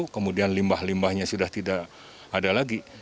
kemudian limbah limbahnya sudah tidak ada lagi